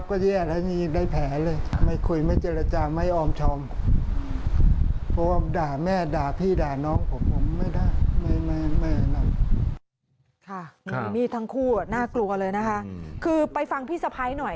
คือไปฟังพี่สะพ้ายหน่อย